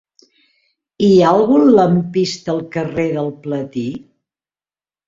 Hi ha algun lampista al carrer del Platí?